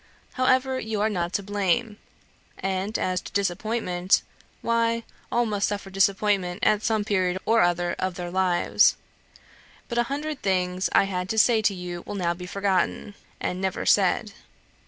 However, you are not to blame ... and as to disappointment, why, all must suffer disappointment at some period or other of their lives. But a hundred things I had to say to you will now be forgotten, and never said.